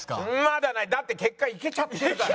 だって結果行けちゃってるから。